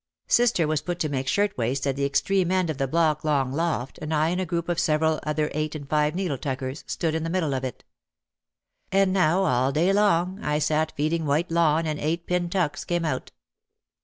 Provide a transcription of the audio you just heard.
Sister was put to make shirt waists at the extreme end of the block long loft and I in a group of several other eight and five needle tuckers, stood in the middle of it. And now all day long I sat feeding white lawn and eight pin tucks came out.